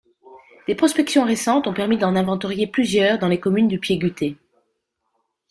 Des prospections récentes ont permis d’en inventorier plusieurs dans les communes du Piégutais.